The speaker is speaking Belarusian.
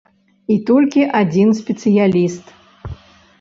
І толькі адзін сацыяліст.